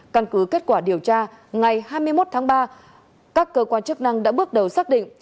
căn cứ kết quả điều tra ngày hai mươi một tháng ba các cơ quan chức năng đã bước đầu xác định